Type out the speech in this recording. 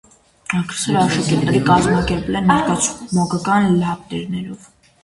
Կրթսեր աշակերտները կազմակերպել են ներկայացում մոգական լապտերներով։